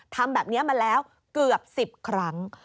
ทำแบบนี้มาแล้วเกือบ๑๐ครั้ง